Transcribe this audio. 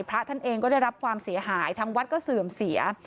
พระท่านเองก็ได้รับความเสียหายทางวัดก็เสื่อมเสีย